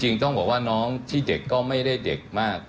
ต้องบอกว่าน้องที่เด็กก็ไม่ได้เด็กมาก